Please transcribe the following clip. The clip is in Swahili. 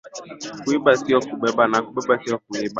Kuiba sio kubeba na kubeba sio kuiba